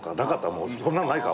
もうそんなのないか。